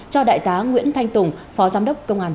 cho đại tá nguyễn thanh tùng phó giám đốc công an